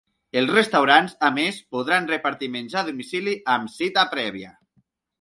Els restaurants, a més, podran repartir menjar a domicili amb cita prèvia.